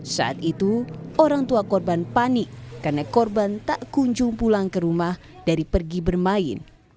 saat itu orang tua korban panik karena korban tak kunjung pulang ke rumah dari pergi bermain